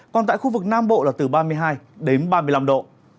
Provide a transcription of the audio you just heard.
còn tại khu vực nam bộ là từ ba mươi hai đến ba mươi năm độ